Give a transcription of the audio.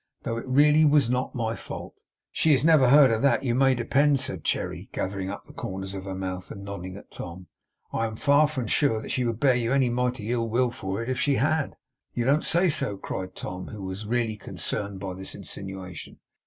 Though it really was not my fault.' 'She has never heard of that, you may depend,' said Cherry, gathering up the corners of her mouth, and nodding at Tom. 'I am far from sure that she would bear you any mighty ill will for it, if she had.' 'You don't say so?' cried Tom, who was really concerned by this insinuation.